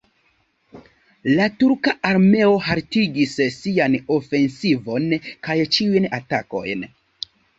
La turka armeo haltigis sian ofensivon kaj ĉiujn atakojn.